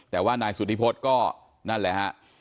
แต่ว่านายสุธิพฤษก็นั่นแหละฮะ